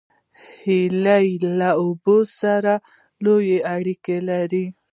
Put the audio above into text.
هیلۍ له اوبو سره لوړه اړیکه لري